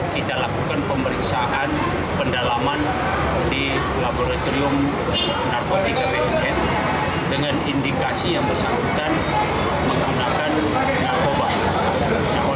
kita lakukan pemeriksaan pendalaman di laboratorium narkotika bumn dengan indikasi yang bersangkutan menggunakan narkoba